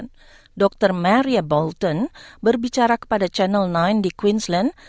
dr maria balton berbicara kepada channel sembilan di queensland